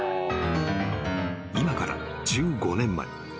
［今から１５年前］